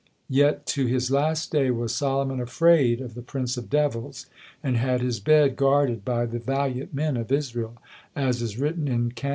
Yet to his last day was Solomon afraid of the prince of devils, and had his bed guarded by the valiant men of Israel, as is written in Cant.